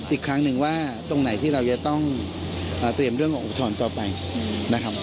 อีกครั้งหนึ่งว่าตรงไหนที่เราจะต้องเตรียมเรื่องของอุทธรณ์ต่อไปนะครับ